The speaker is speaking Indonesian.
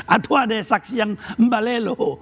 atau ada saksi yang mbalelo